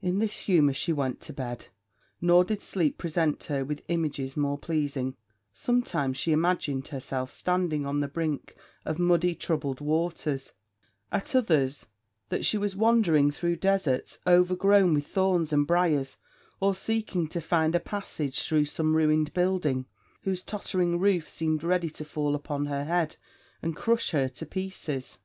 In this humour she went to bed; nor did sleep present her with images more pleasing: sometimes she imagined herself standing on the brink of muddy, troubled waters; at others, that she was wandering through deserts, overgrown with thorns and briars, or seeking to find a passage through some ruined building, whose tottering roof seemed ready to fall upon her head, and crush her to pieces.